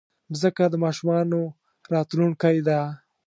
مځکه د ماشومانو راتلونکی ده.